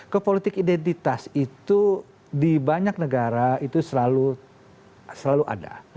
kepolitik identitas itu di banyak negara itu selalu ada